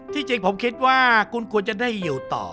จริงผมคิดว่าคุณควรจะได้อยู่ต่อ